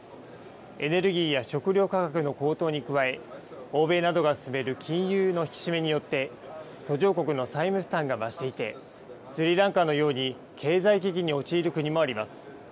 エネルギーや食料価格の高騰に加え、欧米などが進める金融の引き締めによって、途上国の債務負担が増していて、スリランカのように、経済危機に陥る国もあります。